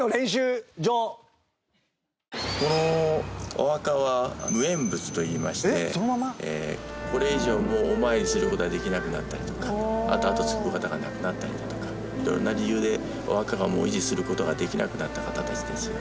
このお墓は無縁仏といいましてこれ以上もうお参りする事ができなくなったりとかあと跡継ぎの方が亡くなったりだとか色んな理由でお墓がもう維持する事ができなくなった方たちですよね。